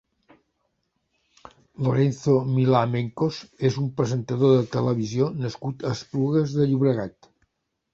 Lorenzo Milá Mencos és un presentador de televisió nascut a Esplugues de Llobregat.